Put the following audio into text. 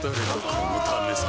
このためさ